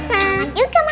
sama juga mama